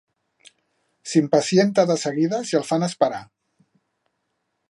S'impacienta de seguida si el fan esperar.